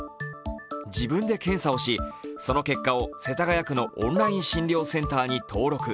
自分で検査をし、その結果を世田谷区のオンライン診療センターに登録。